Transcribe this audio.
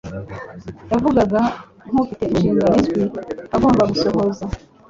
Yavugaga nk'ufite inshingano izwi agomba gusohoza.